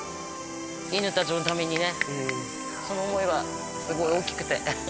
犬たちのためにね、その想いは、すごい大きくて。